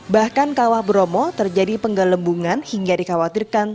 bahkan kawah bromo terjadi penggelembungan hingga dikhawatirkan